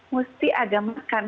mesti ada makan